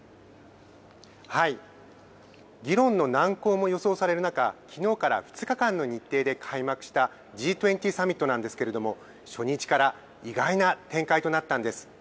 議論の難航も予想される中、きのうから２日間の日程で開幕したＧ２０サミットなんですけれども、初日から意外な展開となったんです。